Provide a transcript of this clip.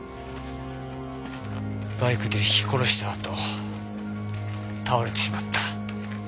バイクでひき殺したあと倒れてしまった。